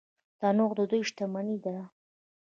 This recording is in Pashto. تنوع د دوی شتمني ده.